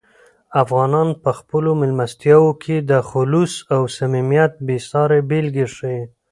افغانان په خپلو مېلمستیاوو کې د "خلوص" او "صمیمیت" بې سارې بېلګې ښیي.